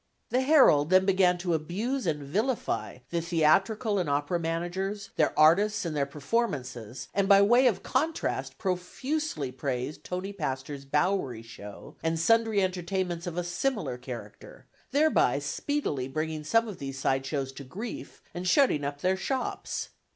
The Herald then began to abuse and vilify the theatrical and opera managers, their artists and their performances, and by way of contrast profusely praised Tony Pastor's Bowery show, and Sundry entertainments of a similar character, thereby speedily bringing some of these side shows to grief and shutting up their shops.